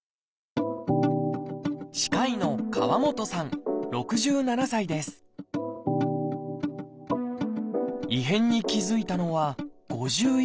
歯科医の異変に気付いたのは５１歳のとき。